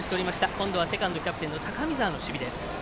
今度は、セカンドキャプテンの高見澤の守備です。